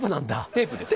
テープです